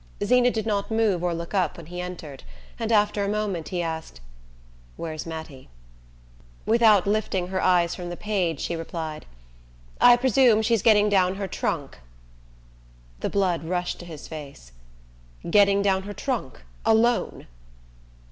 Zeena did not move or look up when he entered, and after a moment he asked: "Where's Mattie?" Without lifting her eyes from the page she replied: "I presume she's getting down her trunk." The blood rushed to his face. "Getting down her trunk alone?"